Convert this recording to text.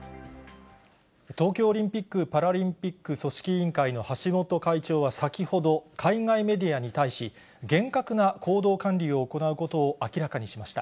東京オリンピック・パラリンピック組織委員会の橋本会長は先ほど、海外メディアに対し、厳格な行動管理を行うことを明らかにしました。